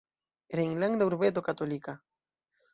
Rejnlanda urbeto katolika.